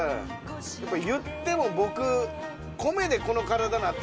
やっぱいっても僕。